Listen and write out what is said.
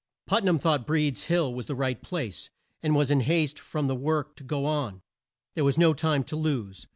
Put nam thought Breed's Hill was the right place and was in haste for the work to go on. There was no time to lose.